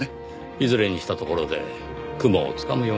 いずれにしたところで雲をつかむような話ですが。